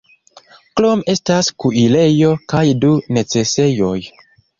Krome estas kuirejo kaj du necesejoj.